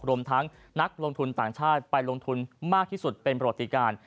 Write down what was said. รวมทั้งนักลงทุนต่างชาติไปลงทุนมากที่สุดเป็นประวัติการ